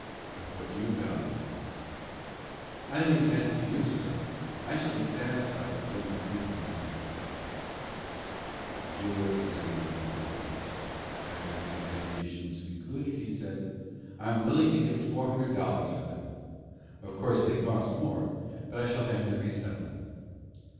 "At what do you value them?" "I leave that to you, sir. I shall be satisfied with what you think them worth." The jeweler examined them attentively. After his examination was concluded, he said: "I am willing to give four hundred dollars for them. Of course they cost more, but I shall have to reset them."